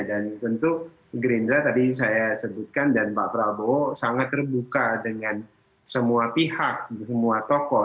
dan tentu gerindra tadi saya sebutkan dan pak prabowo sangat terbuka dengan semua pihak semua tokoh